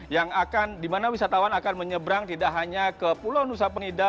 yang akan di mana wisatawan akan menyeberang tidak hanya ke pulau nusa pengida